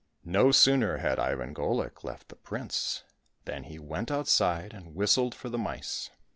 " No sooner had Ivan Golik left the prince than he went outside and whistled for the mice.